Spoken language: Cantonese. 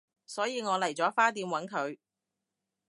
所以我嚟咗花店搵佢